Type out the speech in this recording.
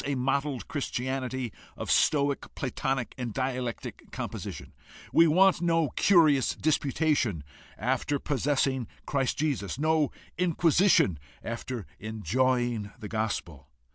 "Away with all attempts to produce a mottled Chris tianity of Stoic, Platonic, and dialectic composition! We want no curious disputation after possessing Christ Jesus, no inquisition after enjoying the gospel!